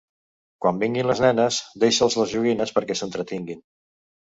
Quan vinguin les nenes, deixa'ls les joguines perquè s'entretinguin.